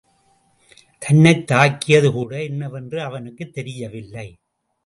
தன்னைத் தாக்கியதுகூட என்னவென்று அவனுக்குத் தெரியவில்லை.